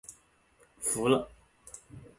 服了